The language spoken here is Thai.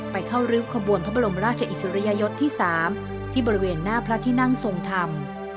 ไปเข้าริ้วขบวนพระบรมราชอิสริยยศที่๓ที่บริเวณหน้าพระที่นั่งทรงธรรม